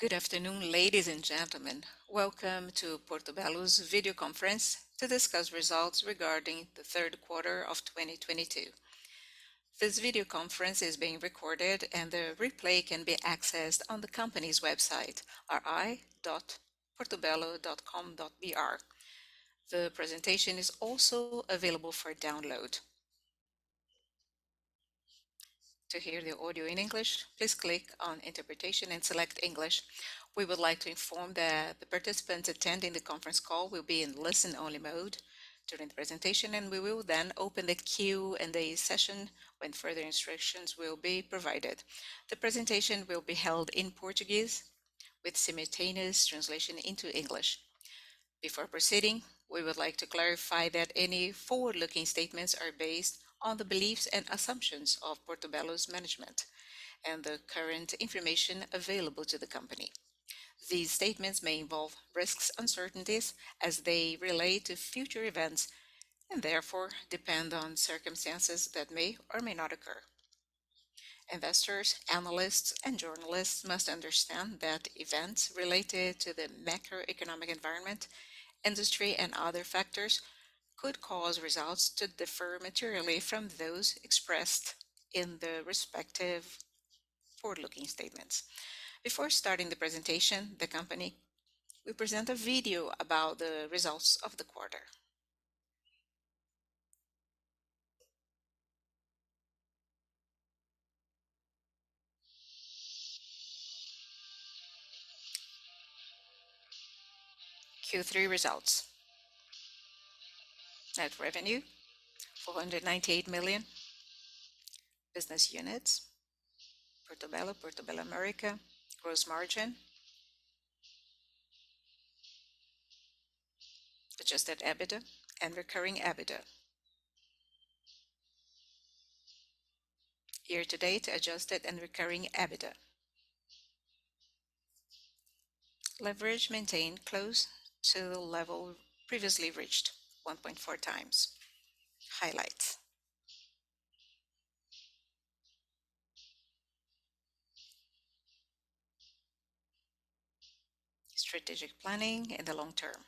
Good afternoon, ladies and gentlemen. Welcome to Portobello's video conference to discuss results regarding the third quarter of 2022. This video conference is being recorded and the replay can be accessed on the company's website, ri.portobello.com.br. The presentation is also available for download. To hear the audio in English, please click on Interpretation and select English. We would like to inform that the participants attending the conference call will be in listen-only mode during the presentation, and we will then open the Q&A session when further instructions will be provided. The presentation will be held in Portuguese with simultaneous translation into English. Before proceeding, we would like to clarify that any forward-looking statements are based on the beliefs and assumptions of Portobello's management and the current information available to the company. These statements may involve risks, uncertainties as they relate to future events, and therefore depend on circumstances that may or may not occur. Investors, analysts, and journalists must understand that events related to the macroeconomic environment, industry, and other factors could cause results to differ materially from those expressed in the respective forward-looking statements. Before starting the presentation, the company will present a video about the results of the quarter. Q3 results. Net revenue 498 million. Business units Portobello America. Gross margin. Adjusted EBITDA and Recurring EBITDA. Year-to-date Adjusted and Recurring EBITDA. Leverage maintained close to level previously reached, 1.4x. Highlights. Strategic planning in the long term.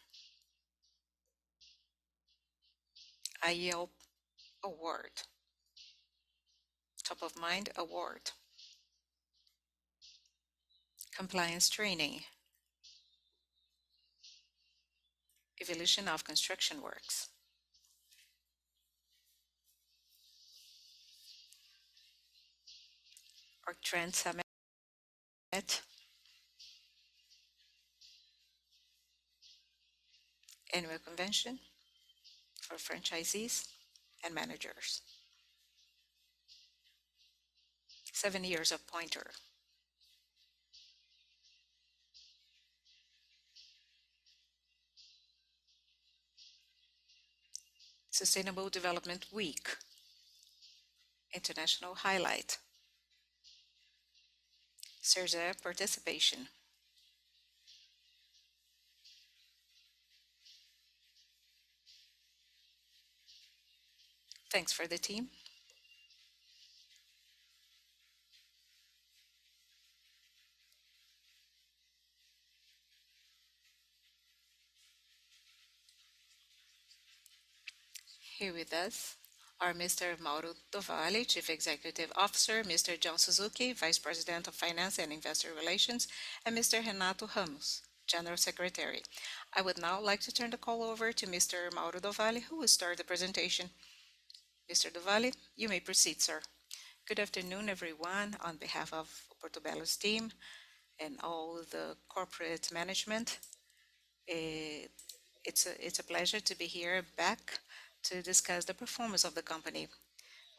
AIO award. Top of Mind award. Compliance training. Evolution of construction works. Archtrends Summit. Annual convention for franchisees and managers. Seven years of Pointer. Sustainable Development Week. International highlight. Serasa participation. Thanks for the team. Here with us are Mr. Mauro do Valle, Chief Executive Officer, Mr. John Suzuki, Vice President of Finance and Investor Relations, and Mr. Renato Ramos, General Secretary. I would now like to turn the call over to Mr. Mauro do Valle, who will start the presentation. Mr. do Vale, you may proceed, sir. Good afternoon, everyone. On behalf of Portobello's team and all the corporate management, it's a pleasure to be here back to discuss the performance of the company.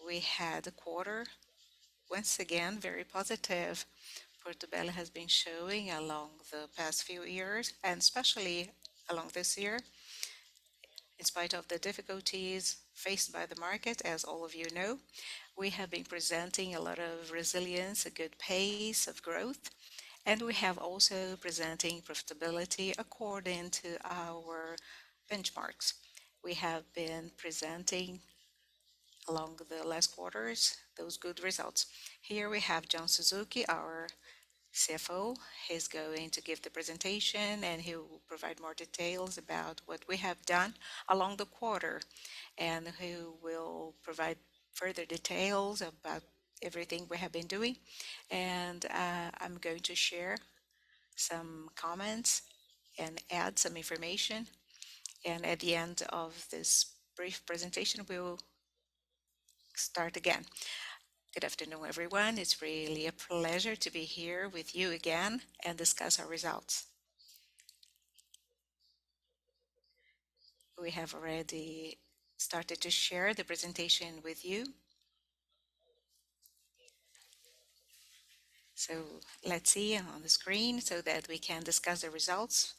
We had a quarter, once again, very positive. Portobello has been showing along the past few years, and especially along this year, in spite of the difficulties faced by the market, as all of you know, we have been presenting a lot of resilience, a good pace of growth, and we have also presenting profitability according to our benchmarks. We have been presenting along the last quarters those good results. Here we have John Suzuki, our CFO. He's going to give the presentation, and he will provide more details about what we have done along the quarter, and he will provide further details about everything we have been doing. I'm going to share some comments and add some information. At the end of this brief presentation, we will start again. Good afternoon, everyone. It's really a pleasure to be here with you again and discuss our results. We have already started to share the presentation with you. Let's see on the screen so that we can discuss the results.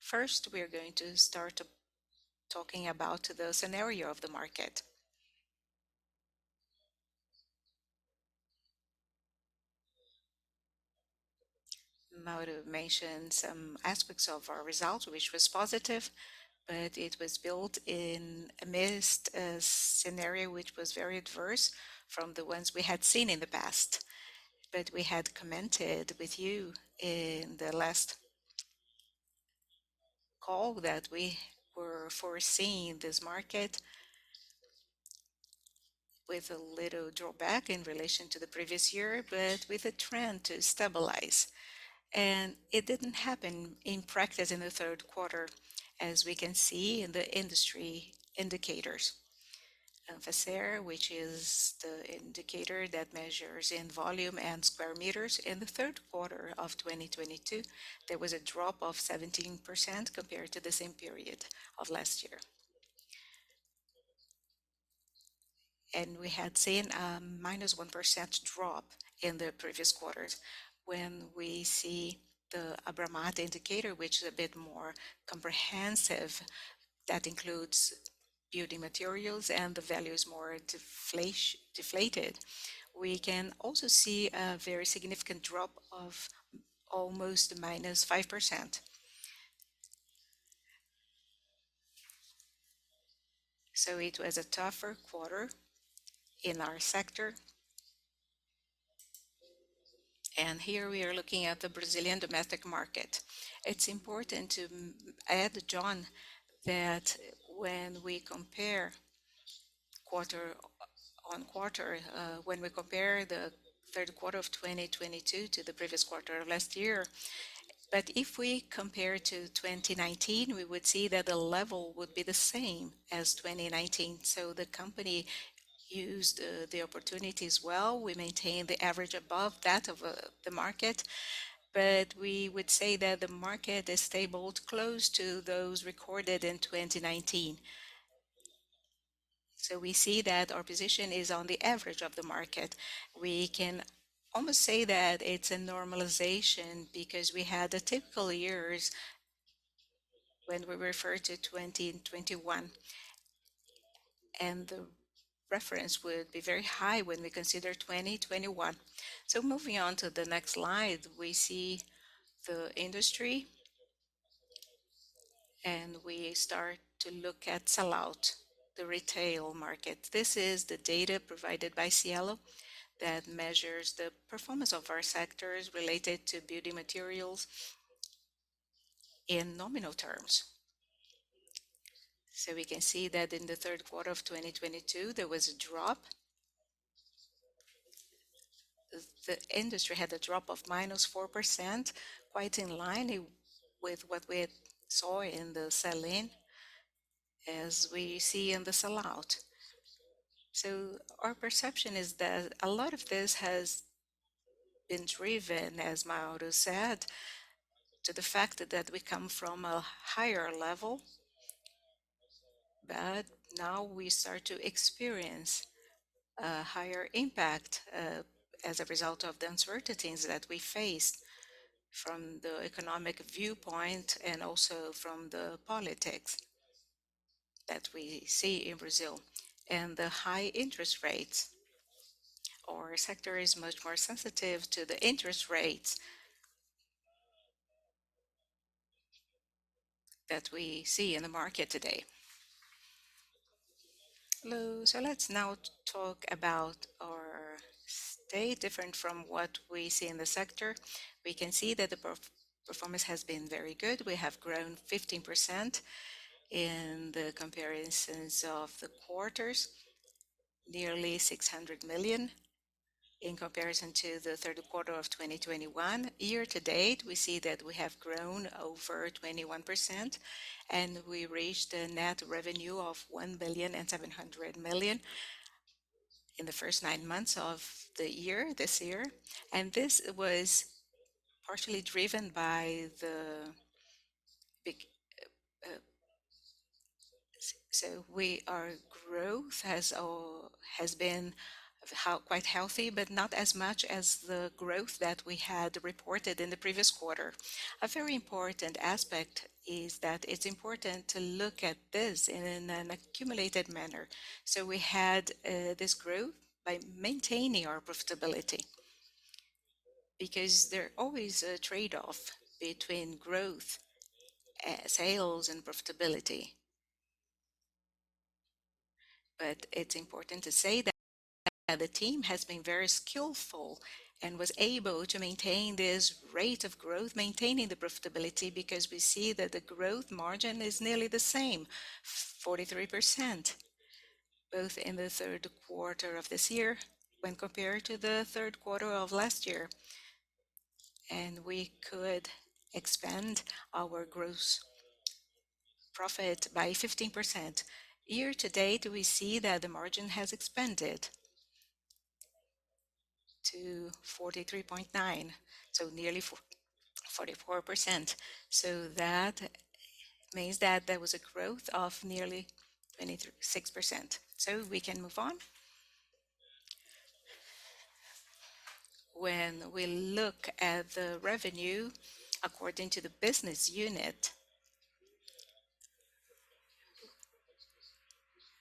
First, we are going to start talking about the scenario of the market. Mauro mentioned some aspects of our results, which was positive, but it was built in amidst a scenario which was very adverse from the ones we had seen in the past. We had commented with you in the last call that we were foreseeing this market with a little drawback in relation to the previous year, but with a trend to stabilize. It didn't happen in practice in the third quarter, as we can see in the industry indicators. ANFACER, which is the indicator that measures in volume and square meters. In the third quarter of 2022, there was a drop of 17% compared to the same period of last year. We had seen a -1% drop in the previous quarters. When we see the Abramat indicator, which is a bit more comprehensive, that includes building materials and the value is more deflated. We can also see a very significant drop of almost -5%. It was a tougher quarter in our sector. Here we are looking at the Brazilian domestic market. It's important to add, John, that when we compare the third quarter of 2022 to the previous quarter of last year, that if we compare to 2019, we would see that the level would be the same as 2019. The company used the opportunity as well. We maintained the average above that of the market, but we would say that the market is stable close to those recorded in 2019. We see that our position is on the average of the market. We can almost say that it's a normalization because we had the typical years when we refer to 2020 and 2021, and the reference would be very high when we consider 2021. Moving on to the next slide, we see the industry, and we start to look at sell-out, the retail market. This is the data provided by Cielo that measures the performance of our sectors related to building materials in nominal terms. We can see that in the third quarter of 2022, there was a drop. The industry had a drop of -4%, quite in line with what we had seen in the sell-in, as we see in the sell-out. Our perception is that a lot of this has been driven, as Mauro said, to the fact that we come from a higher level. Now we start to experience a higher impact, as a result of the uncertainties that we faced from the economic viewpoint and also from the politics that we see in Brazil. The high interest rates. Our sector is much more sensitive to the interest rates that we see in the market today. Hello. Let's now talk about our state different from what we see in the sector. We can see that the performance has been very good. We have grown 15% in the comparisons of the quarters, nearly 600 million in comparison to the third quarter of 2021. Year to date, we see that we have grown over 21%, and we reached a net revenue of 1.7 billion in the first nine months of the year, this year. This was partially driven by the big. Our growth has been quite healthy, but not as much as the growth that we had reported in the previous quarter. A very important aspect is that it's important to look at this in an accumulated manner. We had this growth by maintaining our profitability, because there are always a trade-off between growth, sales and profitability. It's important to say that the team has been very skillful and was able to maintain this rate of growth, maintaining the profitability, because we see that the gross margin is nearly the same, 43%, both in the third quarter of this year when compared to the third quarter of last year. We could expand our gross profit by 15%. Year to date, we see that the margin has expanded to 43.9, nearly 44%. That means that there was a growth of nearly 26%. We can move on. When we look at the revenue according to the business unit,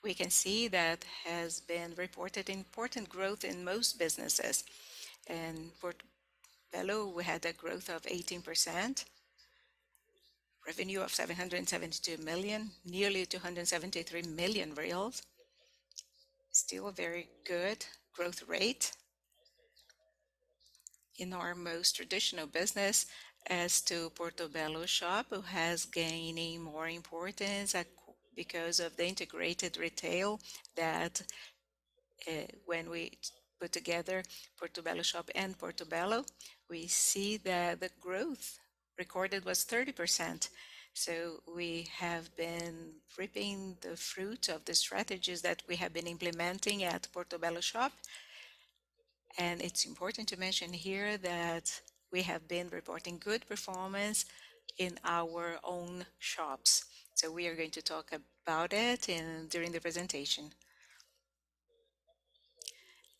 we can see that has been reported important growth in most businesses. For Portobello, we had a growth of 18%, revenue of 772 million, nearly 273 million reais. Still a very good growth rate. In our most traditional business as to Portobello Shop who has gaining more importance at because of the integrated retail that, when we put together Portobello Shop and Portobello, we see that the growth recorded was 30%. We have been reaping the fruit of the strategies that we have been implementing at Portobello Shop. It's important to mention here that we have been reporting good performance in our own shops. We are going to talk about it during the presentation.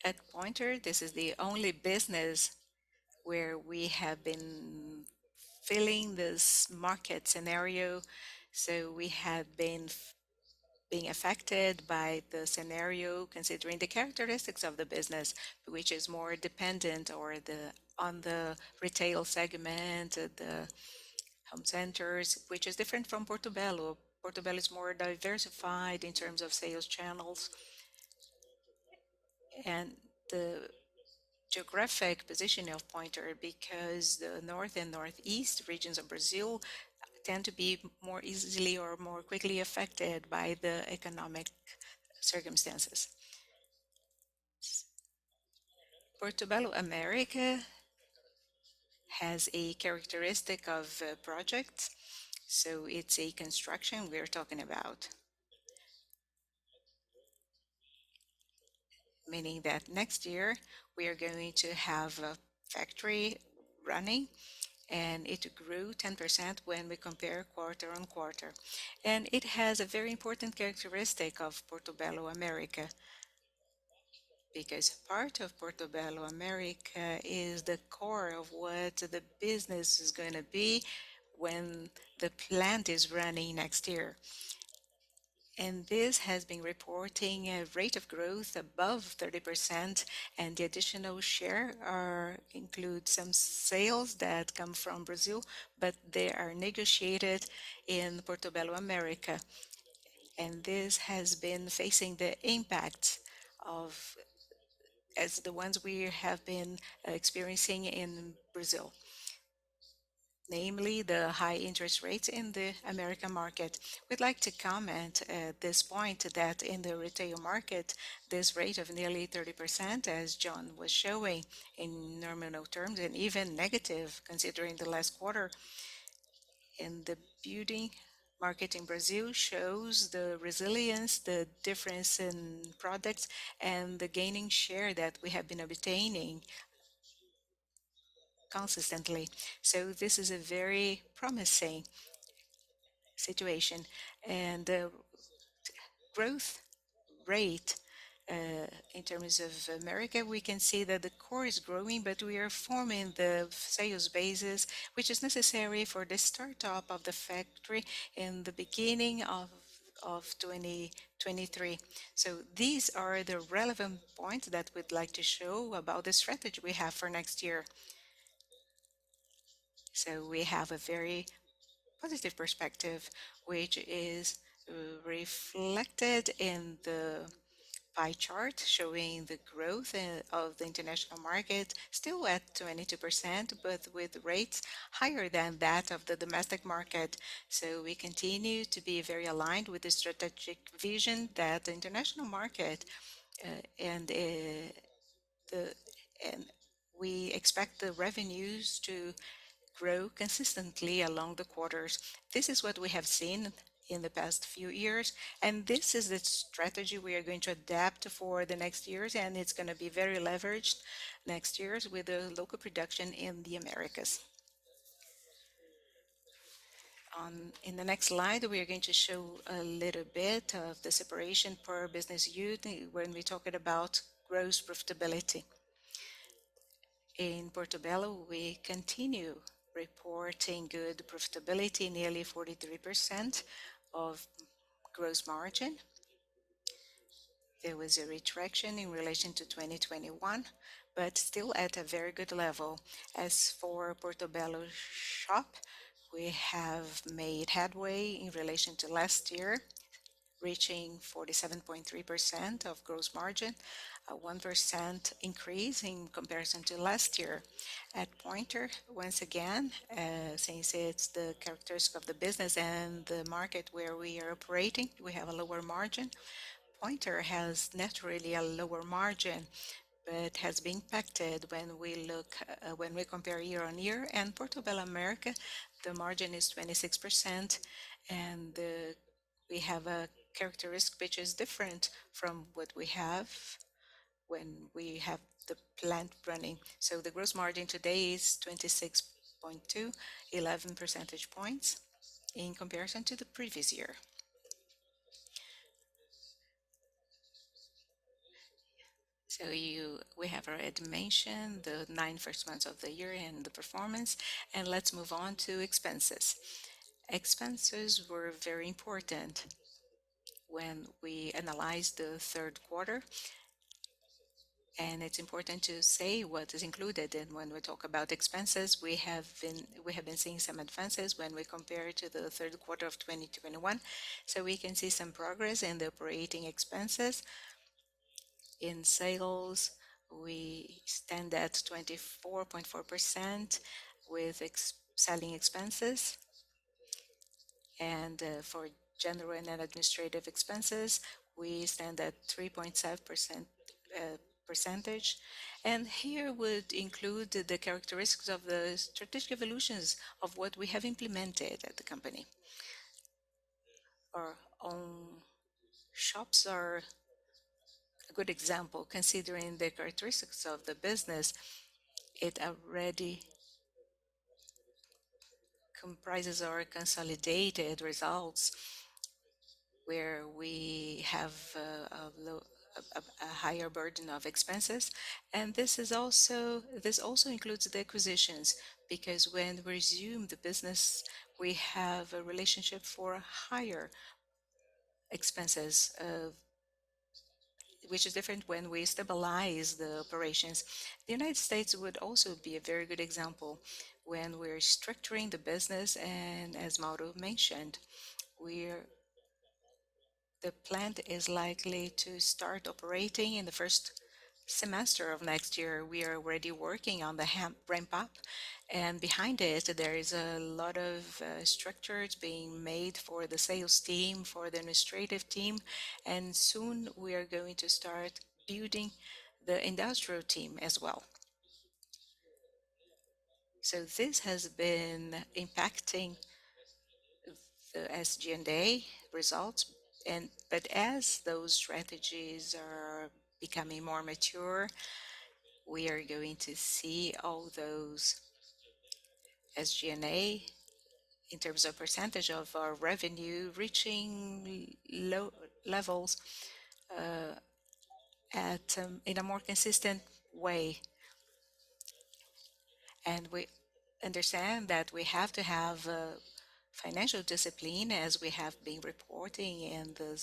At Pointer, this is the only business where we have been feeling this market scenario. We have been affected by the scenario considering the characteristics of the business, which is more dependent on the retail segment, the home centers, which is different from Portobello. Portobello is more diversified in terms of sales channels. The geographic position of Pointer, because the north and northeast regions of Brazil tend to be more easily or more quickly affected by the economic circumstances. Portobello America has a characteristic of projects, so it's a construction we're talking about. Meaning that next year we are going to have a factory running, and it grew 10% when we compare quarter-over-quarter. It has a very important characteristic of Portobello America, because part of Portobello America is the core of what the business is gonna be when the plant is running next year. This has been reporting a rate of growth above 30% and the additional share include some sales that come from Brazil, but they are negotiated in Portobello America. This has been facing the impact as the ones we have been experiencing in Brazil, namely the high interest rates in the American market. We'd like to comment at this point that in the retail market, this rate of nearly 30%, as John was showing in nominal terms and even negative considering the last quarter in the beauty market in Brazil, shows the resilience, the difference in products, and the gaining share that we have been obtaining consistently. This is a very promising situation. Growth rate in terms of Portobello America, we can see that the core is growing, but we are forming the sales basis, which is necessary for the start up of the factory in the beginning of 2023. These are the relevant points that we'd like to show about the strategy we have for next year. We have a very positive perspective, which is reflected in the pie chart showing the growth of the international market still at 22%, but with rates higher than that of the domestic market. We continue to be very aligned with the strategic vision that the international market and we expect the revenues to grow consistently along the quarters. This is what we have seen in the past few years, and this is the strategy we are going to adapt for the next years, and it's gonna be very leveraged next years with the local production in the Americas. In the next slide, we are going to show a little bit of the separation per business unit when we're talking about gross profitability. In Portobello, we continue reporting good profitability, nearly 43% of gross margin. There was a retraction in relation to 2021, but still at a very good level. As for Portobello Shop, we have made headway in relation to last year, reaching 47.3% of gross margin, a 1% increase in comparison to last year. At Pointer, once again, since it's the characteristic of the business and the market where we are operating, we have a lower margin. Pointer has naturally a lower margin, but has been impacted when we look, when we compare year-on-year. Portobello America, the margin is 26% and, we have a characteristic which is different from what we have when we have the plant running. The gross margin today is 26.2, 11 percentage points in comparison to the previous year. We have already mentioned the first nine months of the year and the performance, and let's move on to expenses. Expenses were very important when we analyzed the third quarter. It's important to say what is included in when we talk about expenses. We have been seeing some advances when we compare to the third quarter of 2021. We can see some progress in the operating expenses. In sales, we stand at 24.4% with selling expenses. For general and administrative expenses, we stand at 3.7%. Here would include the characteristics of the strategic evolutions of what we have implemented at the company. Our own shops are a good example. Considering the characteristics of the business, it already comprises our consolidated results where we have a higher burden of expenses. This also includes the acquisitions, because when we resume the business, we have a relationship for higher expenses, which is different when we stabilize the operations. The United States would also be a very good example when we're structuring the business and as Mauro mentioned, the plant is likely to start operating in the first semester of next year. We are already working on the ramp-up, and behind it, there is a lot of structures being made for the sales team, for the administrative team, and soon we are going to start building the industrial team as well. This has been impacting the SG&A results. But as those strategies are becoming more mature, we are going to see all those SG&A in terms of percentage of our revenue reaching low levels in a more consistent way. We understand that we have to have financial discipline as we have been reporting in the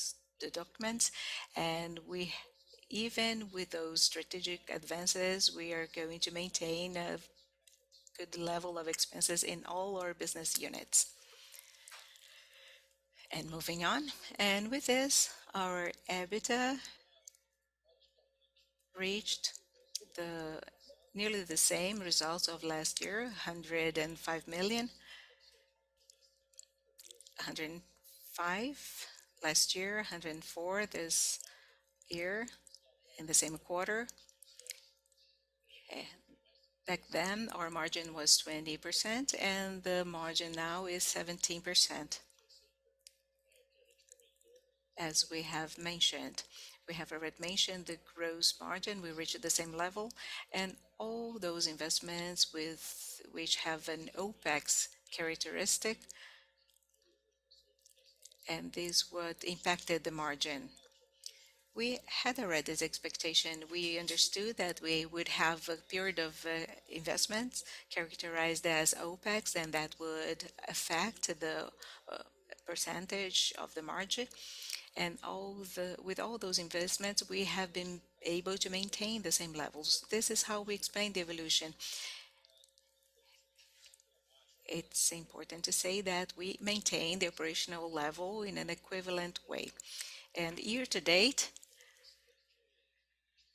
documents. Even with those strategic advances, we are going to maintain a good level of expenses in all our business units. Moving on. With this, our EBITDA reached nearly the same results of last year, 105 million. 105 last year, 104 this year in the same quarter. Back then, our margin was 20% and the margin now is 17%. We have already mentioned the gross margin, we reached the same level. All those investments which have an OpEx characteristic, and this is what impacted the margin. We had already this expectation. We understood that we would have a period of investments characterized as OpEx, and that would affect the percentage of the margin. With all those investments, we have been able to maintain the same levels. This is how we explain the evolution. It's important to say that we maintain the operational level in an equivalent way. Year to date,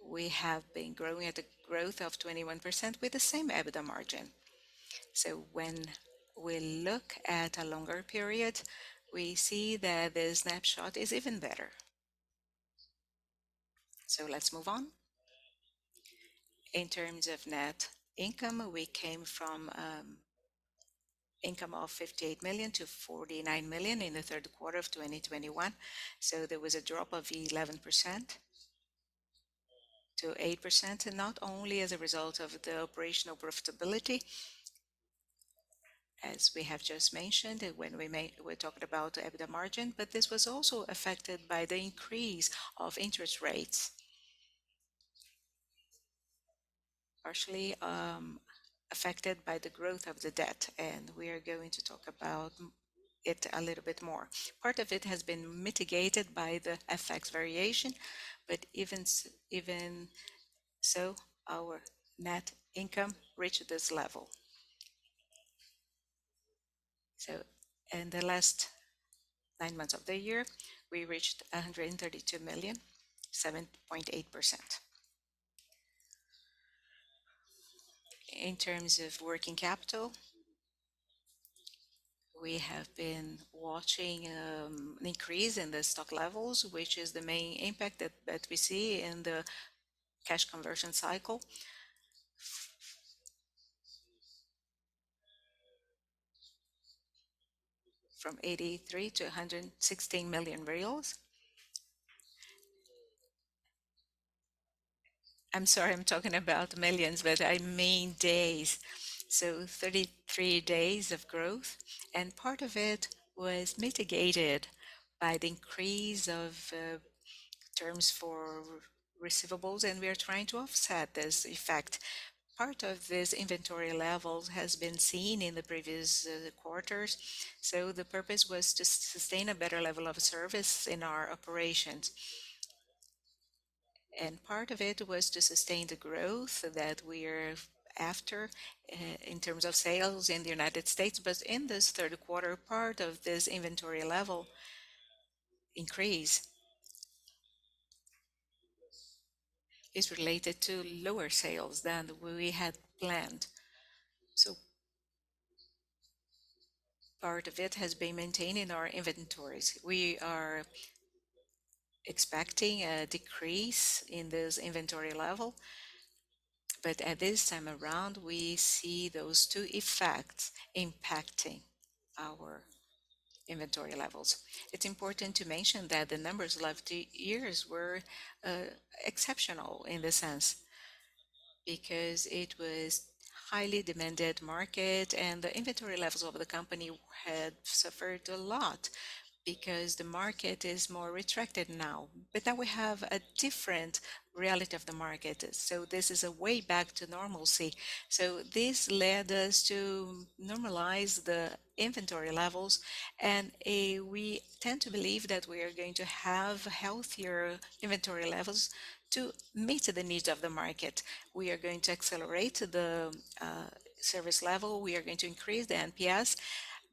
we have been growing at a growth of 21% with the same EBITDA margin. When we look at a longer period, we see that the snapshot is even better. Let's move on. In terms of net income, we came from income of 58 million to 49 million in the third quarter of 2021. There was a drop of 11% to 8%, and not only as a result of the operational profitability, as we have just mentioned we talked about EBITDA margin, but this was also affected by the increase of interest rates. Partially affected by the growth of the debt, and we are going to talk about it a little bit more. Part of it has been mitigated by the FX variation, but even so, our net income reached this level. In the last nine months of the year, we reached 132 million, 7.8%. In terms of working capital, we have been watching an increase in the stock levels, which is the main impact that we see in the cash conversion cycle. From 83 to 116 days. I'm sorry, I'm talking about millions, but I mean days. 33 days of growth, and part of it was mitigated by the increase of terms for receivables, and we are trying to offset this effect. Part of this inventory levels has been seen in the previous quarters, so the purpose was to sustain a better level of service in our operations. Part of it was to sustain the growth that we are after in terms of sales in the United States. In this third quarter, part of this inventory level increase is related to lower sales than we had planned. Part of it has been maintained in our inventories. We are expecting a decrease in this inventory level. At this time around, we see those two effects impacting our inventory levels. It's important to mention that the numbers last years were exceptional in this sense because it was highly demanded market and the inventory levels of the company had suffered a lot because the market is more retracted now. Now we have a different reality of the market. This is a way back to normalcy. This led us to normalize the inventory levels, and we tend to believe that we are going to have healthier inventory levels to meet the needs of the market. We are going to accelerate the service level. We are going to increase the NPS.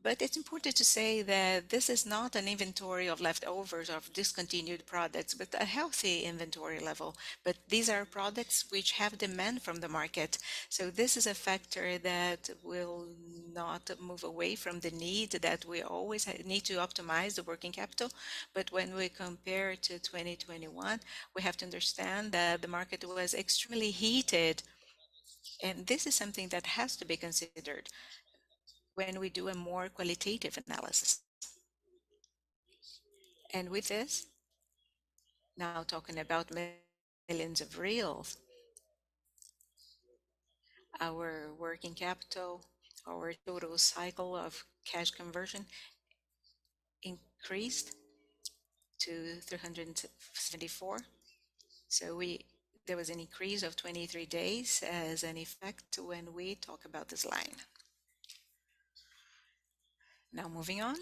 It's important to say that this is not an inventory of leftovers of discontinued products, but a healthy inventory level. These are products which have demand from the market. This is a factor that will not move away from the need that we always need to optimize the working capital. When we compare to 2021, we have to understand that the market was extremely heated, and this is something that has to be considered when we do a more qualitative analysis. With this, now talking about millions of BRL. Our working capital, our total cycle of cash conversion increased to 374. There was an increase of 23 days as an effect when we talk about this line. Moving on.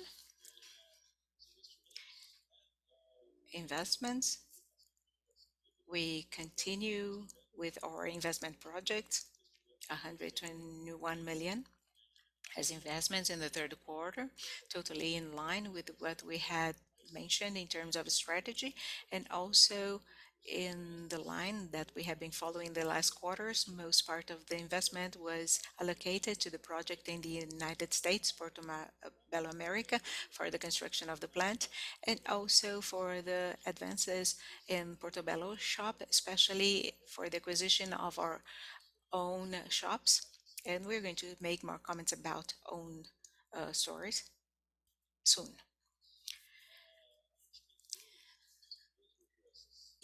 Investments. We continue with our investment projects, 121 million as investments in the third quarter, totally in line with what we had mentioned in terms of strategy and also in the line that we have been following the last quarters. Most part of the investment was allocated to the project in the United States, Portobello America, for the construction of the plant and also for the advances in Portobello Shop, especially for the acquisition of our own shops. We're going to make more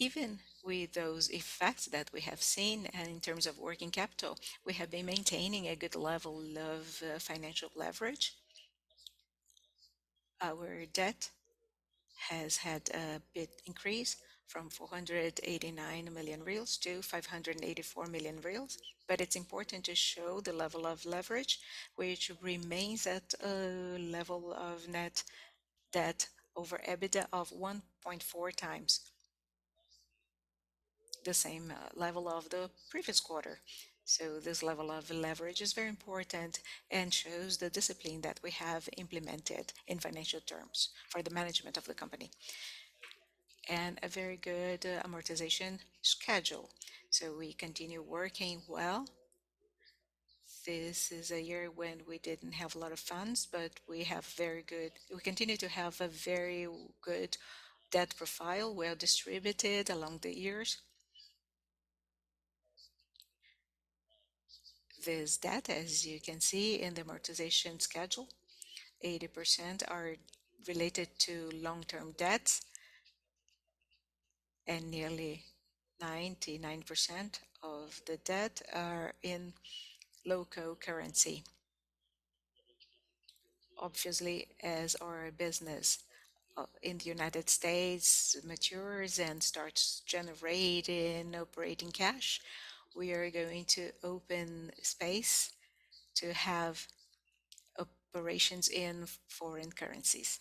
comments about owned stores soon. Even with those effects that we have seen and in terms of working capital, we have been maintaining a good level of financial leverage. Our debt has had a bit increase from 489 million to 584 million. It's important to show the level of leverage, which remains at a level of net debt over EBITDA of 1.4 times the same level of the previous quarter. This level of leverage is very important and shows the discipline that we have implemented in financial terms for the management of the company. A very good amortization schedule. We continue working well. This is a year when we didn't have a lot of funds, but we continue to have a very good debt profile, well distributed along the years. This debt, as you can see in the amortization schedule, 80% are related to long-term debts, and nearly 99% of the debt are in local currency. Obviously, as our business in the United States matures and starts generating operating cash, we are going to open space to have operations in foreign currencies.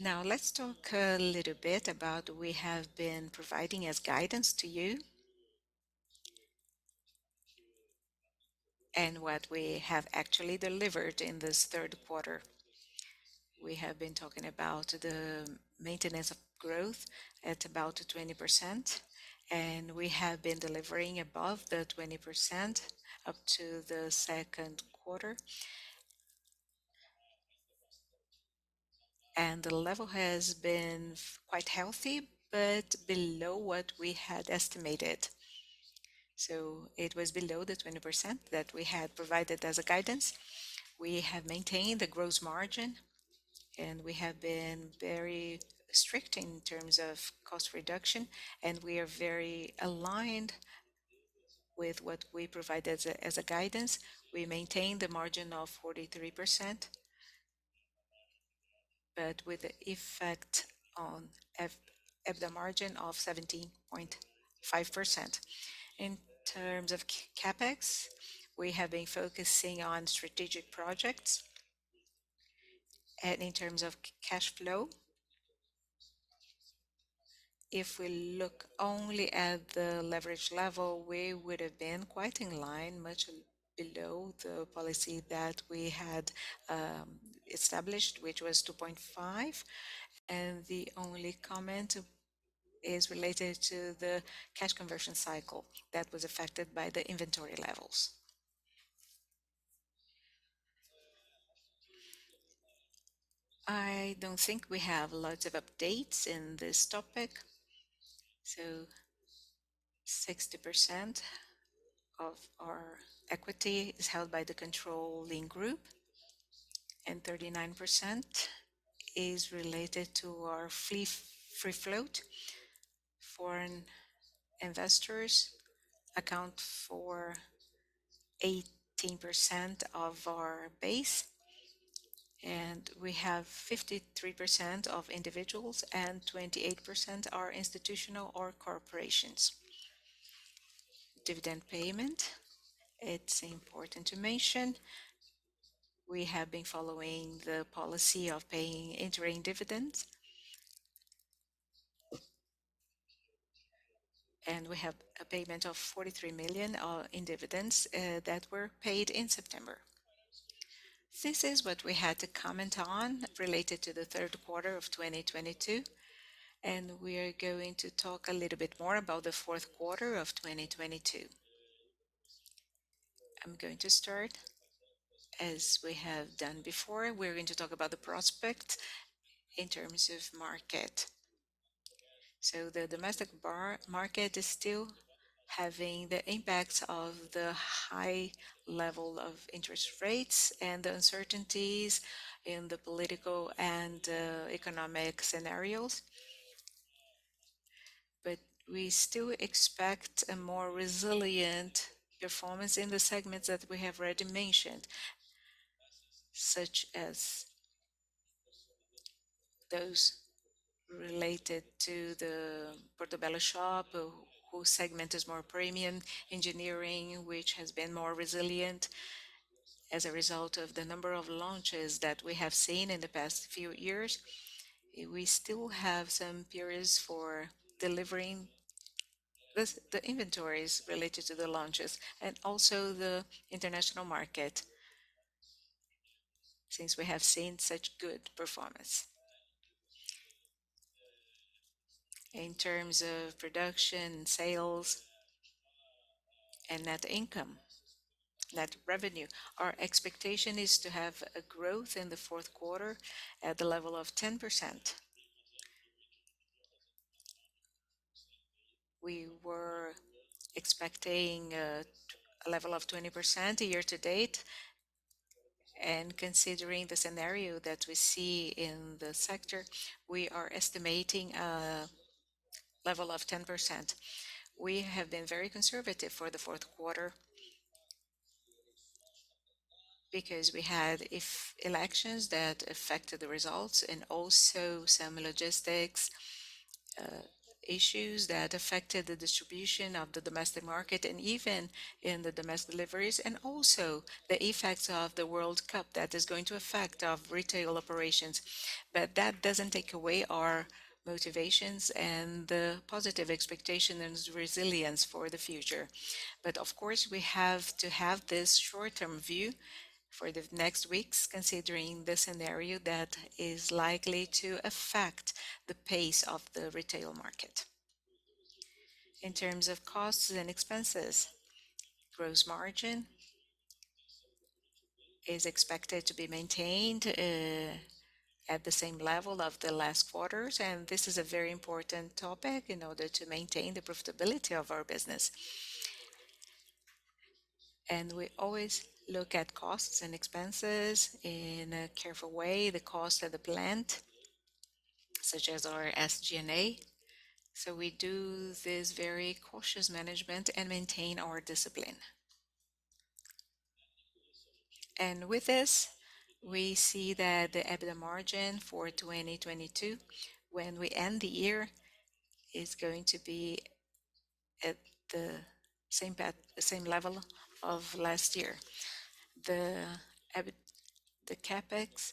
Now, let's talk a little bit about what we have been providing as guidance to you and what we have actually delivered in this third quarter. We have been talking about the maintenance of growth at about 20%, and we have been delivering above the 20% up to the second quarter. The level has been quite healthy but below what we had estimated. It was below the 20% that we had provided as a guidance. We have maintained the gross margin, and we have been very strict in terms of cost reduction, and we are very aligned with what we provide as a guidance. We maintain the margin of 43%, but with the effect on EBITDA margin of 17.5%. In terms of CapEx, we have been focusing on strategic projects. In terms of cash flow. If we look only at the leverage level, we would have been quite in line, much below the policy that we had established, which was 2.5. The only comment is related to the cash conversion cycle that was affected by the inventory levels. I don't think we have lots of updates in this topic. 60% of our equity is held by the controlling group and 39% is related to our free float. Foreign investors account for 18% of our base, and we have 53% of individuals and 28% are institutional or corporations. Dividend payment, it's important to mention we have been following the policy of paying interim dividends. We have a payment of 43 million in dividends that were paid in September. This is what we had to comment on related to the third quarter of 2022, and we are going to talk a little bit more about the fourth quarter of 2022. I'm going to start. As we have done before, we're going to talk about the prospect in terms of market. The domestic market is still having the impact of the high level of interest rates and the uncertainties in the political and economic scenarios. We still expect a more resilient performance in the segments that we have already mentioned, such as those related to the Portobello Shop, whose segment is more premium. Engineering, which has been more resilient as a result of the number of launches that we have seen in the past few years. We still have some periods for delivering this, the inventories related to the launches and also the international market since we have seen such good performance. In terms of production, sales, and net income, net revenue, our expectation is to have a growth in the fourth quarter at the level of 10%. We were expecting a level of 20% year to date. Considering the scenario that we see in the sector, we are estimating a level of 10%. We have been very conservative for the fourth quarter because we had elections that affected the results and also some logistics issues that affected the distribution of the domestic market and even in the domestic deliveries, and also the effects of the World Cup that is going to affect our retail operations. That doesn't take away our motivations and the positive expectation and resilience for the future. Of course, we have to have this short-term view for the next weeks, considering the scenario that is likely to affect the pace of the retail market. In terms of costs and expenses, gross margin is expected to be maintained at the same level of the last quarters, and this is a very important topic in order to maintain the profitability of our business. We always look at costs and expenses in a careful way, the cost of the plant, such as our SG&A. We do this very cautious management and maintain our discipline. With this, we see that the EBITDA margin for 2022, when we end the year, is going to be at the same level of last year. The CapEx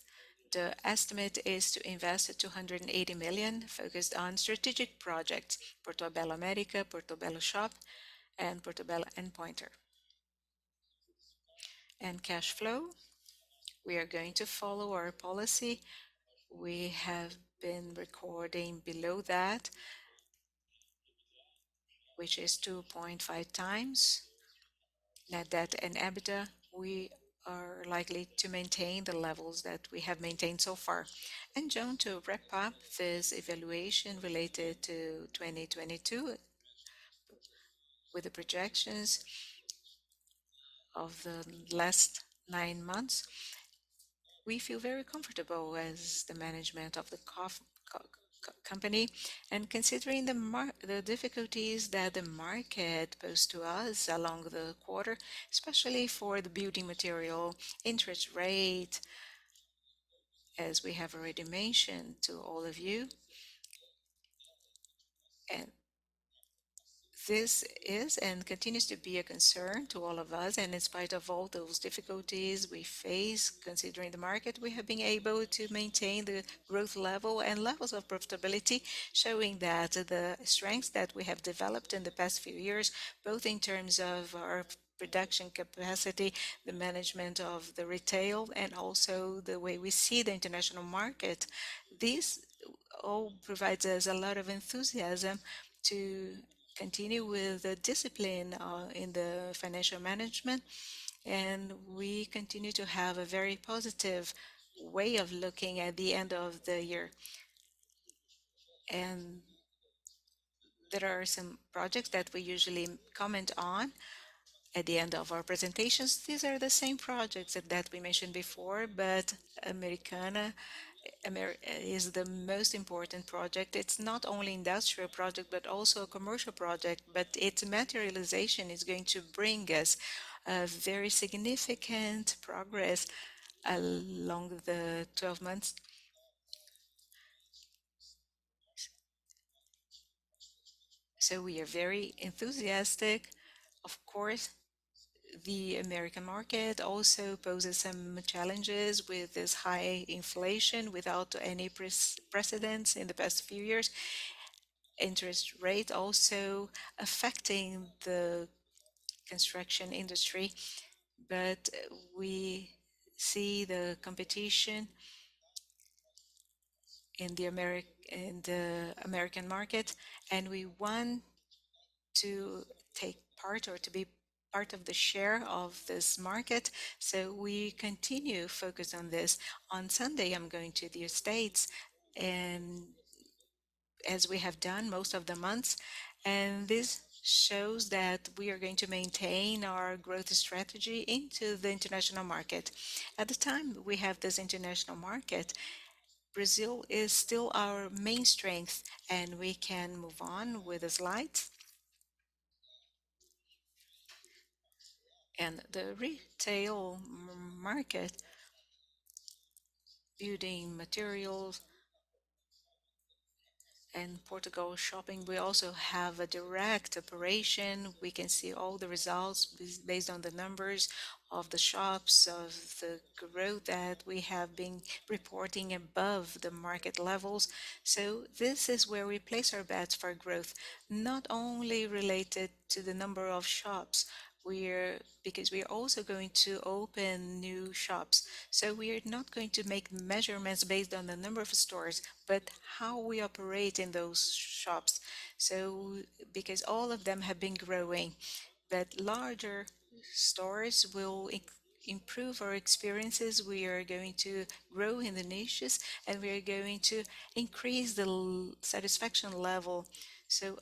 estimate is to invest 280 million focused on strategic projects, Portobello America, Portobello Shop, and Portobello and Pointer. Cash flow, we are going to follow our policy. We have been recording below that, which is 2.5 times net debt over EBITDA. We are likely to maintain the levels that we have maintained so far. John, to wrap up this evaluation related to 2022 with the projections of the last nine months, we feel very comfortable as the management of the company. Considering the difficulties that the market posed to us along the quarter, especially for the building material, interest rate, as we have already mentioned to all of you. This is and continues to be a concern to all of us. In spite of all those difficulties we face considering the market, we have been able to maintain the growth level and levels of profitability, showing that the strengths that we have developed in the past few years, both in terms of our production capacity, the management of the retail, and also the way we see the international market. This all provides us a lot of enthusiasm to continue with the discipline in the financial management, and we continue to have a very positive way of looking at the end of the year. There are some projects that we usually comment on at the end of our presentations. These are the same projects that we mentioned before, but America is the most important project. It's not only industrial project, but also a commercial project, but its materialization is going to bring us a very significant progress along the 12 months. We are very enthusiastic. Of course, the American market also poses some challenges with this high inflation without any precedence in the past few years. Interest rate also affecting the construction industry. We see the competition in the American market, and we want to take part or to be part of the share of this market, so we continue focus on this. On Sunday, I'm going to the States, and as we have done most of the months, and this shows that we are going to maintain our growth strategy into the international market. At the time we have this international market, Brazil is still our main strength, and we can move on with the slides. The retail market, building materials and Portobello Shop, we also have a direct operation. We can see all the results based on the numbers of the shops, of the growth that we have been reporting above the market levels. This is where we place our bets for growth, not only related to the number of shops, because we're also going to open new shops. We're not going to make measurements based on the number of stores, but how we operate in those shops. Because all of them have been growing, but larger stores will improve our experiences. We are going to grow in the niches, and we are going to increase the satisfaction level.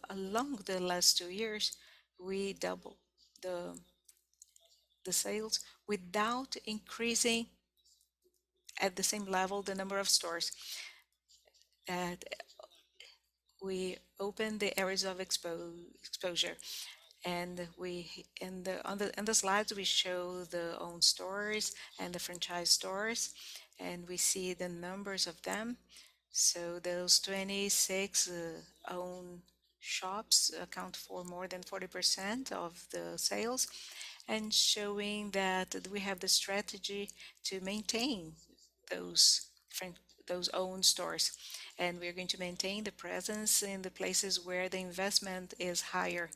Along the last two years, we double the sales without increasing at the same level the number of stores. We open the areas of exposure, and in the slides, we show the own stores and the franchise stores, and we see the numbers of them. Those 26 own shops account for more than 40% of the sales, and showing that we have the strategy to maintain those own stores. We're going to maintain the presence in the places where the investment is higher.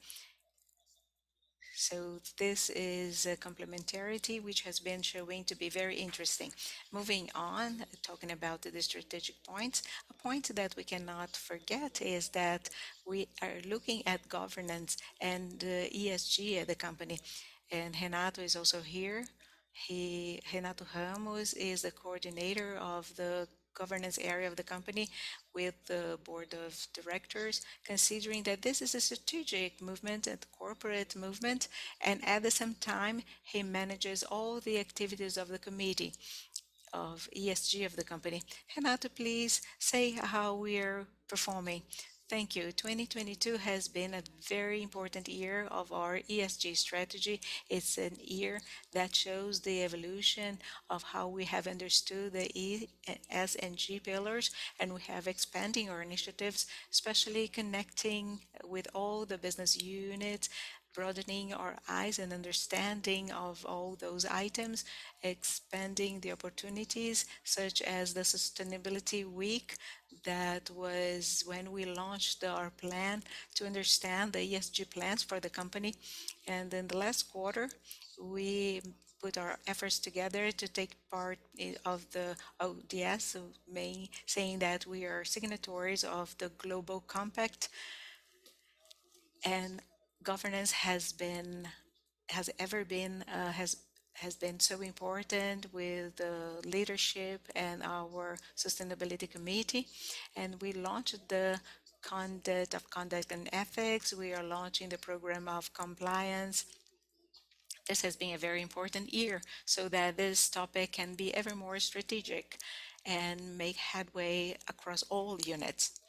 This is a complementarity which has been showing to be very interesting. Moving on, talking about the strategic points. A point that we cannot forget is that we are looking at governance and ESG at the company. Renato is also here. Renato Ramos is the coordinator of the governance area of the company with the board of directors, considering that this is a strategic movement and corporate movement, and at the same time, he manages all the activities of the committee of ESG of the company. Renato, please say how we're performing. Thank you. 2022 has been a very important year of our ESG strategy. It's a year that shows the evolution of how we have understood the E, S, and G pillars, and we have expanding our initiatives, especially connecting with all the business units, broadening our eyes and understanding of all those items, expanding the opportunities such as the sustainability week. That was when we launched our plan to understand the ESG plans for the company. In the last quarter, we put our efforts together to take part in the ODS of May, saying that we are signatories of the Global Compact. Governance has been so important with the leadership and our sustainability committee. We launched the code of conduct and ethics. We are launching the program of compliance. This has been a very important year, so that this topic can be ever more strategic and make headway across all units.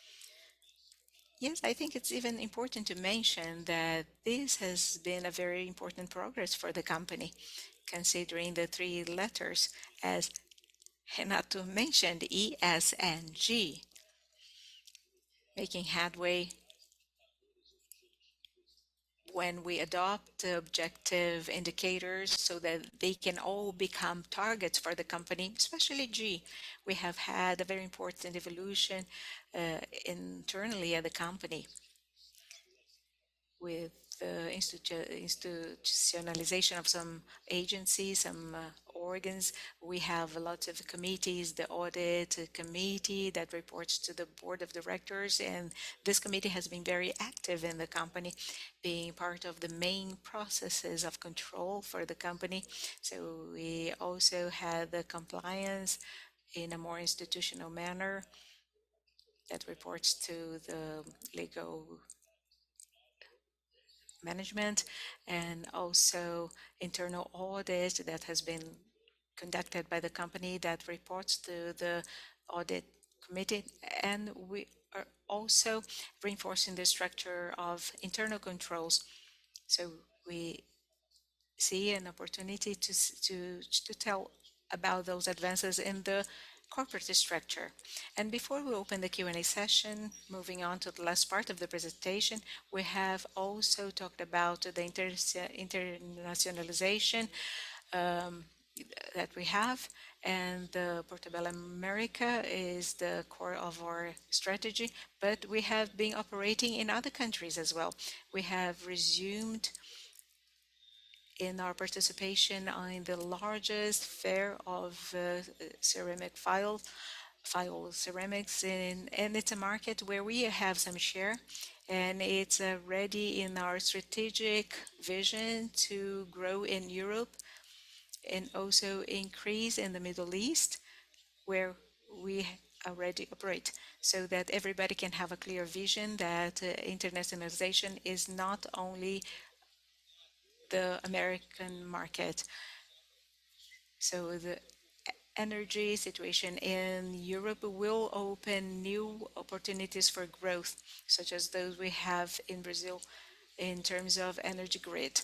Yes, I think it's even important to mention that this has been a very important progress for the company, considering the three letters ESG and not to mention the E, S, and G making headway when we adopt the objective indicators so that they can all become targets for the company, especially G. We have had a very important evolution internally at the company with the institutionalization of some agencies, some organs. We have lots of committees, the audit committee that reports to the board of directors, and this committee has been very active in the company, being part of the main processes of control for the company. We also have the compliance in a more institutional manner that reports to the legal management and also internal audit that has been conducted by the company that reports to the audit committee. We are also reinforcing the structure of internal controls. We see an opportunity to tell about those advances in the corporate structure. Before we open the Q&A session, moving on to the last part of the presentation, we have also talked about the internationalization that we have, and the Portobello America is the core of our strategy, but we have been operating in other countries as well. We have resumed our participation in the largest fair of ceramic tiles in, and it's a market where we have some share, and it's already in our strategic vision to grow in Europe and also increase in the Middle East, where we already operate, so that everybody can have a clear vision that internationalization is not only the American market. The energy situation in Europe will open new opportunities for growth, such as those we have in Brazil in terms of energy grid.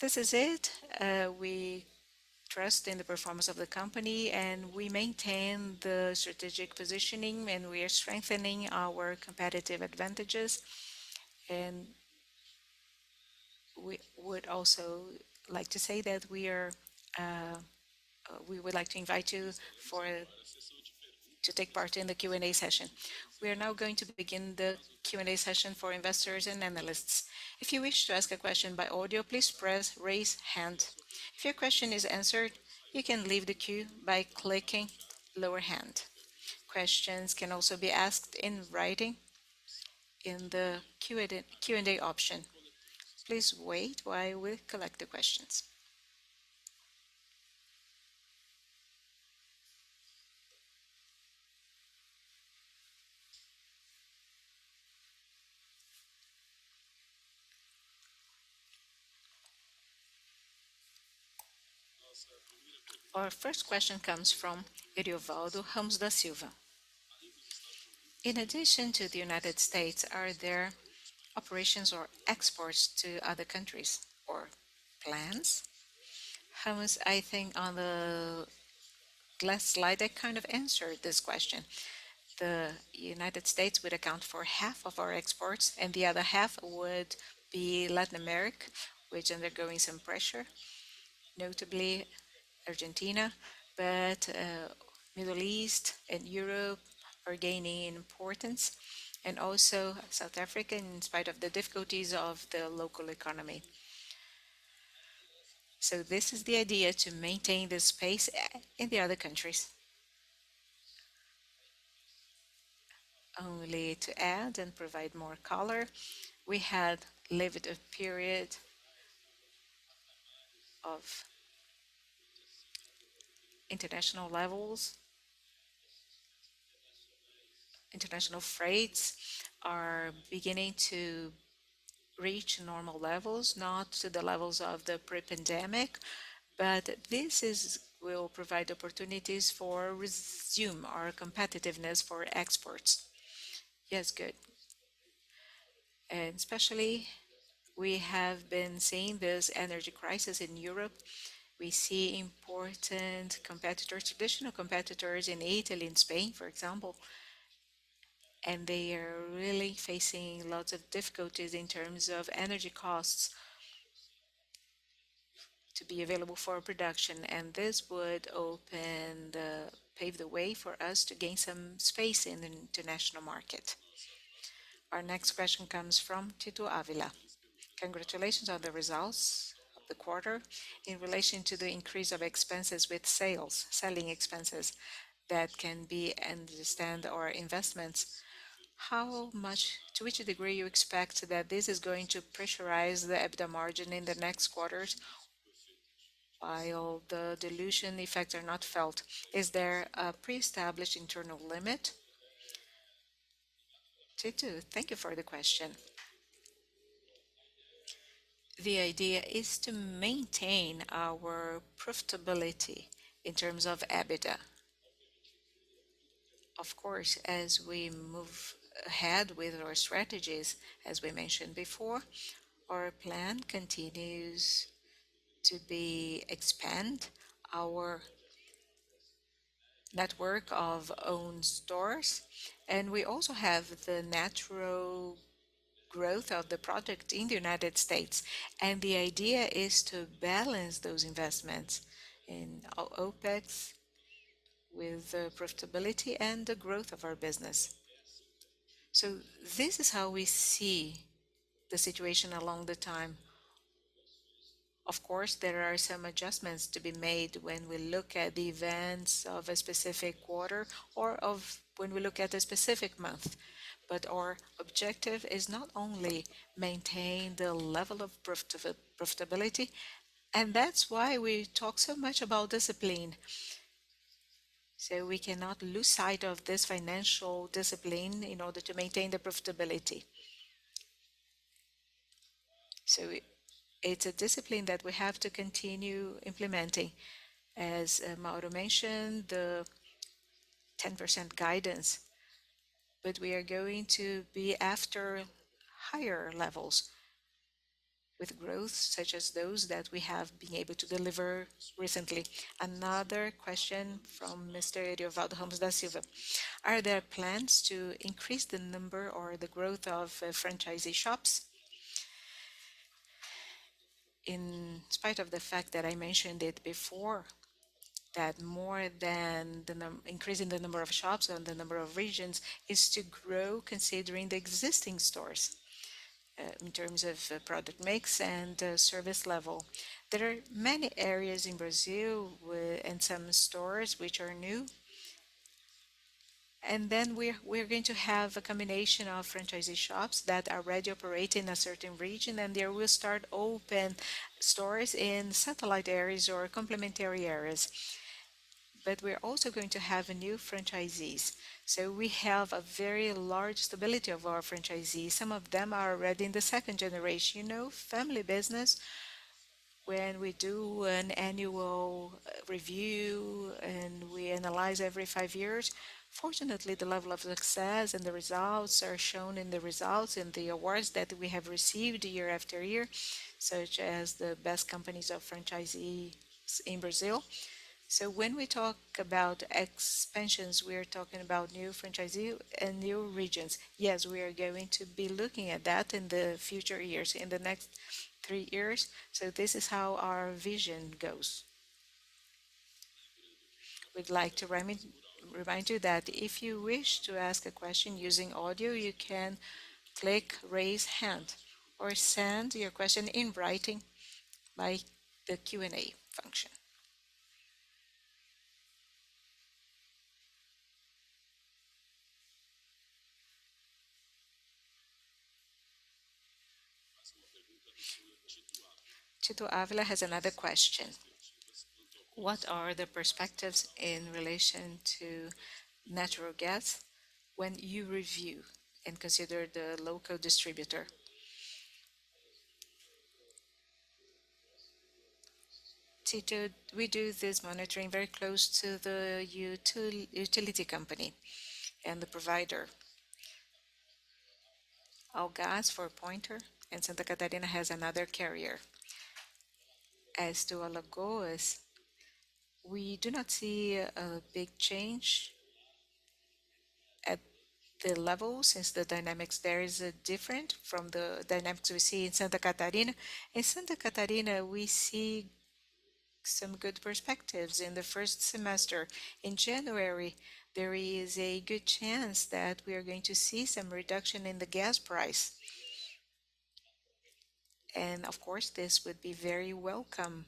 This is it. We trust in the performance of the company, and we maintain the strategic positioning, and we are strengthening our competitive advantages. We would also like to invite you to take part in the Q&A session. We are now going to begin the Q&A session for investors and analysts. If you wish to ask a question by audio, please press Raise Hand. If your question is answered, you can leave the queue by clicking Lower Hand. Questions can also be asked in writing in the Q&A option. Please wait while we collect the questions. Our first question comes from Iriovaldo Ramos da Silva. In addition to the United States, are there operations or exports to other countries or plans? Ramos, I think on the last slide, I kind of answered this question. The United States would account for half of our exports, and the other half would be Latin America, which undergoing some pressure, notably Argentina. Middle East and Europe are gaining importance and also South Africa in spite of the difficulties of the local economy. This is the idea to maintain the space in the other countries. Only to add and provide more color, we had lived a period of elevated international freight levels. International freight rates are beginning to reach normal levels, not to the levels of the pre-pandemic, but this will provide opportunities to resume our competitiveness for exports. Yes. Good. Especially we have been seeing this energy crisis in Europe. We see important competitors, traditional competitors in Italy and Spain, for example, and they are really facing lots of difficulties in terms of energy costs to be available for production, and this would pave the way for us to gain some space in the international market. Our next question comes from Tito Ávila. Congratulations on the results of the quarter. In relation to the increase of expenses with sales, selling expenses that can be understood as our investments, to which degree you expect that this is going to pressurize the EBITDA margin in the next quarters while the dilution effects are not felt? Is there a pre-established internal limit? Tito, thank you for the question. The idea is to maintain our profitability in terms of EBITDA. Of course, as we move ahead with our strategies, as we mentioned before, our plan continues to expand our network of own stores, and we also have the natural growth of the project in the United States. The idea is to balance those investments in OpEx with the profitability and the growth of our business. This is how we see the situation over time. Of course, there are some adjustments to be made when we look at the events of a specific quarter or when we look at a specific month. Our objective is not only maintain the level of profitability, and that's why we talk so much about discipline. We cannot lose sight of this financial discipline in order to maintain the profitability. It's a discipline that we have to continue implementing. As Mauro mentioned, the 10% guidance, but we are going to be after higher levels with growth, such as those that we have been able to deliver recently. Another question from Mr. Edvaldo Gomes da Silva Are there plans to increase the number or the growth of franchisee shops? In spite of the fact that I mentioned it before, that more than increasing the number of shops and the number of regions is to grow considering the existing stores in terms of product mix and service level. There are many areas in Brazil and some stores which are new. We're going to have a combination of franchisee shops that already operate in a certain region, and they will start open stores in satellite areas or complementary areas. We're also going to have new franchisees. We have a very large stability of our franchisees. Some of them are already in the second generation. You know, family business, when we do an annual review and we analyze every five years, fortunately, the level of success and the results are shown in the results, in the awards that we have received year after year, such as the best companies of franchisees in Brazil. When we talk about expansions, we are talking about new franchisee and new regions. Yes, we are going to be looking at that in the future years, in the next three years. This is how our vision goes. We'd like to remind you that if you wish to ask a question using audio, you can click Raise Hand or send your question in writing by the Q&A function. Tito Ávila has another question: What are the perspectives in relation to natural gas when you review and consider the local distributor? Tito, we do this monitoring very close to the utility company and the provider. All gas for Pointer and Santa Catarina has another carrier. As to Alagoas, we do not see a big change at the level since the dynamics there is different from the dynamics we see in Santa Catarina. In Santa Catarina, we see some good perspectives in the first semester. In January, there is a good chance that we are going to see some reduction in the gas price. Of course, this would be very welcome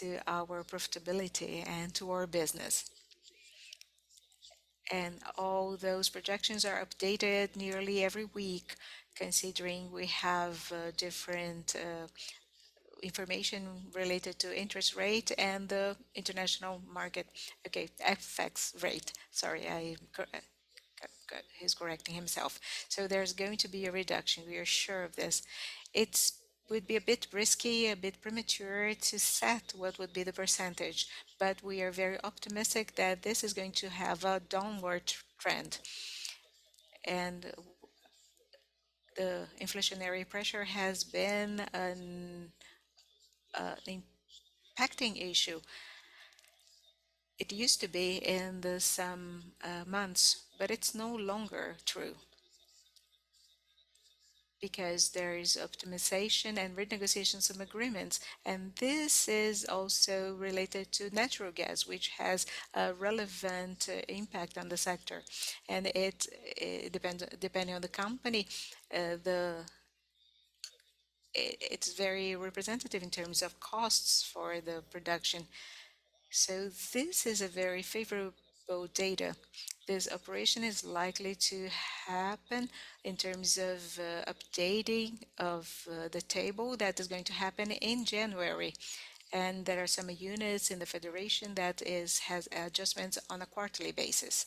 to our profitability and to our business. All those projections are updated nearly every week, considering we have different information related to interest rate and the international market, okay, FX rate. So there's going to be a reduction. We are sure of this. It would be a bit risky, a bit premature to set what would be the percentage, but we are very optimistic that this is going to have a downward trend. The inflationary pressure has been an impacting issue. It used to be in the some months, but it's no longer true because there is optimization and renegotiation of some agreements. This is also related to natural gas, which has a relevant impact on the sector. It depends on the company, the. It's very representative in terms of costs for the production. This is a very favorable data. This operation is likely to happen in terms of updating of the table that is going to happen in January. There are some units in the federation that has adjustments on a quarterly basis.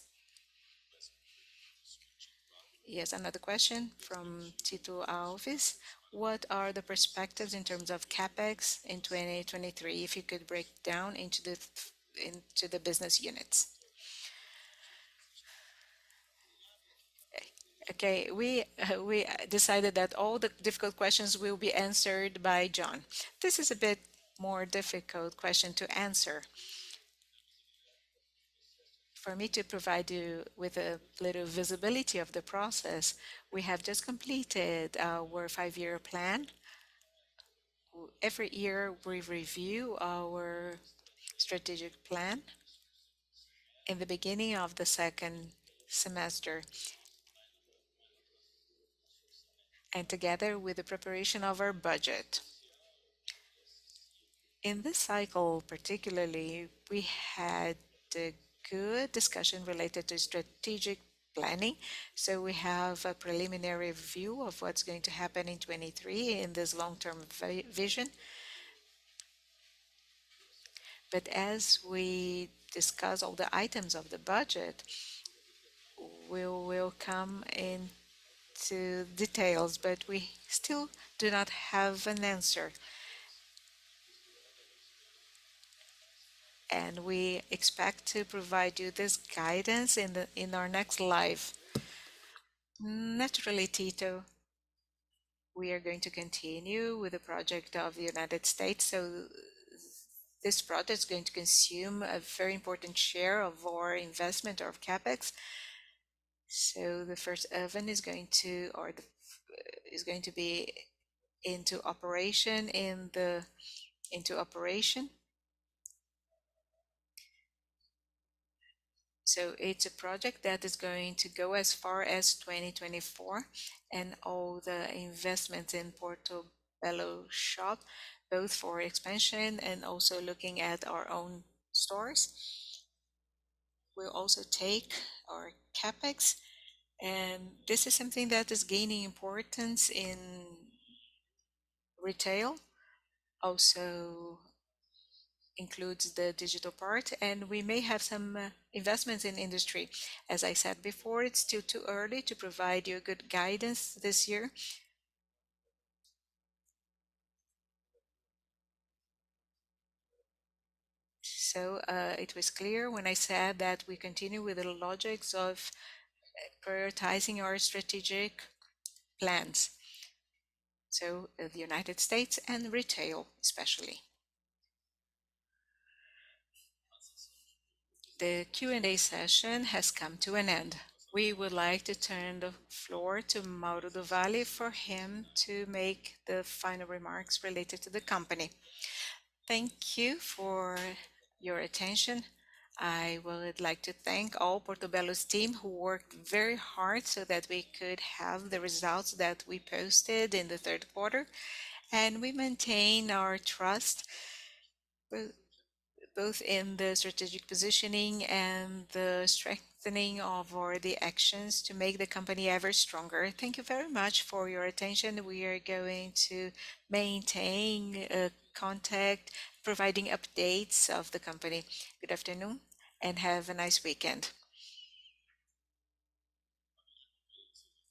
Yes, another question from Tito Ávila. What are the perspectives in terms of CapEx in 2023? If you could break down into the business units. Okay. We decided that all the difficult questions will be answered by John. This is a bit more difficult question to answer. For me to provide you with a little visibility of the process, we have just completed our five-year plan. Every year, we review our strategic plan in the beginning of the second semester and together with the preparation of our budget. In this cycle particularly, we had a good discussion related to strategic planning, so we have a preliminary view of what's going to happen in 2023 in this long-term vision. As we discuss all the items of the budget, we will come into details, but we still do not have an answer. We expect to provide you this guidance in our next live. Naturally, Tito, we are going to continue with the project in the United States. This project is going to consume a very important share of our investment of CapEx. The first oven is going to be in operation. It's a project that is going to go as far as 2024 and all the investments in Portobello Shop, both for expansion and also looking at our own stores, will also take our CapEx. This is something that is gaining importance in retail. It also includes the digital part, and we may have some investments in industry. As I said before, it's still too early to provide you a good guidance this year. It was clear when I said that we continue with the logics of prioritizing our strategic plans, so the United States and retail, especially. The Q&A session has come to an end. We would like to turn the floor to Mauro do Valle for him to make the final remarks related to the company. Thank you for your attention. I would like to thank all Portobello's team, who worked very hard so that we could have the results that we posted in the third quarter. We maintain our trust both in the strategic positioning and the strengthening of all the actions to make the company ever stronger. Thank you very much for your attention. We are going to maintain contact, providing updates of the company. Good afternoon, and have a nice weekend.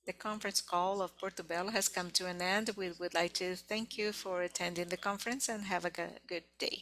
The conference call of Portobello has come to an end. We would like to thank you for attending the conference, and have a good day.